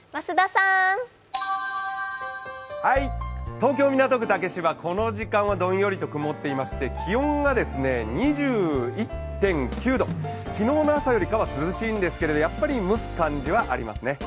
東京・港区竹芝、この時間はどんよりとしていまして気温が２１．９度、昨日の朝よりは涼しいんですけどやっぱり蒸す感じはありますね。